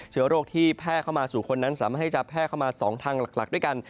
เชื้อโรคที่แพร่เข้ามาสู่คนนั้นสามารถให้จะแพร่เข้ามา๒ทางหลักด้วยกัน